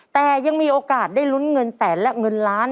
แต่ยังมีโอกาสได้ลุ้นเงินแสนและเงินล้าน